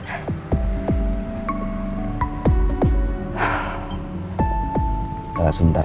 kita berada sebentar ya